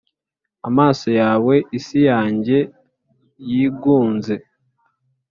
amaso yawe isi yanjye yigunze